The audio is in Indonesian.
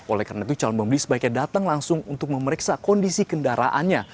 oleh karena itu calon pembeli sebaiknya datang langsung untuk memeriksa kondisi kendaraannya